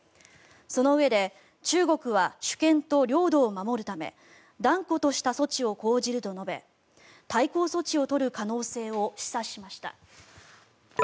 そのうえで中国は主権と領土を守るため断固とした措置を講じると述べ対抗措置を取る可能性を示唆しました。